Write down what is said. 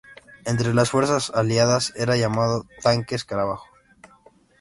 Entre las fuerzas Aliadas, era llamado "tanque escarabajo".